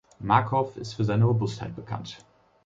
Markov ist für seine Robustheit bekannt.